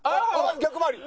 逆回り！